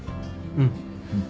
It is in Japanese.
うん。